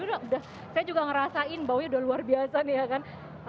udah saya juga ngerasain baunya udah luar biasa nih ya kan